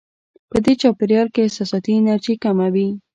په دې چاپېریال کې احساساتي انرژي کمه وي.